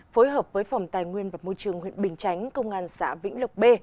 phối hợp với phòng tài nguyên và môi trường huyện bình chánh công an xã vĩnh lộc b